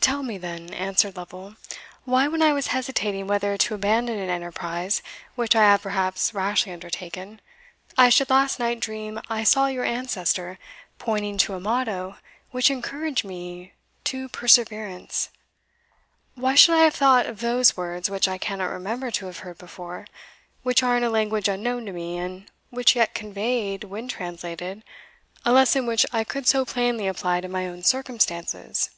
"Tell me, then," answered Lovel, "why when I was hesitating whether to abandon an enterprise, which I have perhaps rashly undertaken, I should last night dream I saw your ancestor pointing to a motto which encouraged me to perseverance? why should I have thought of those words which I cannot remember to have heard before, which are in a language unknown to me, and which yet conveyed, when translated, a lesson which I could so plainly apply to my own circumstances?"